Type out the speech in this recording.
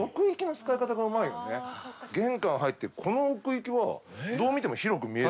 玄関入ってこの奥行きはどう見ても広く見えるもん。